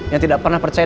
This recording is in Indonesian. yang tidak pernah percaya